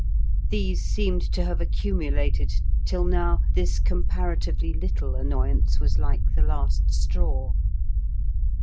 These seemed to have accumulated, till now this comparatively little annoyance was like the last straw.